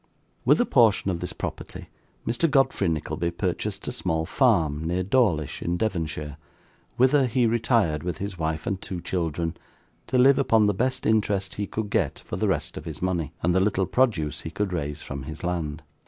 With a portion of this property Mr. Godfrey Nickleby purchased a small farm, near Dawlish in Devonshire, whither he retired with his wife and two children, to live upon the best interest he could get for the rest of his money, and the little produce he could raise from his land.